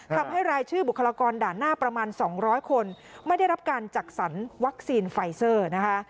ทำให้รายชื่อบุคลากรด่านหน้าประมาณ๒๐๐คนไม่ได้รับการจัดสรรวัคซีนไฟเซอร์นะคะ